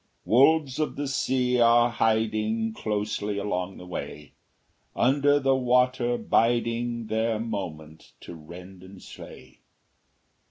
Wolves of the sea are hiding Closely along the way, Under the water biding Their moment to rend and slay.